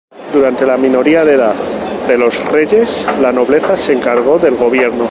Durante la minoría de edad de los reyes, la nobleza se encargó del gobierno.